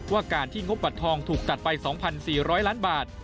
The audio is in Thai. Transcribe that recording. ว่าการที่งบบัตรทองถูกตัดไป๒๔๐๐ล้านบาท